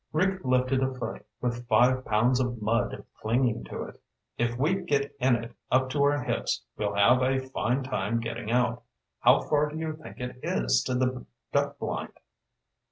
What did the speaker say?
Rick lifted a foot with five pounds of mud clinging to it. "If we get in it up to our hips, we'll have a fine time getting out. How far do you think it is to the duck blind?"